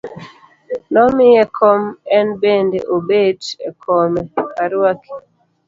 Nomiye kom en bende obet e kome, aruaki.